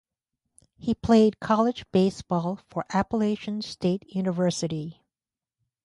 He played college baseball for Appalachian State University.